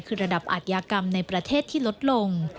คือระดับอาทยากรรมในประเทศที่ลดลง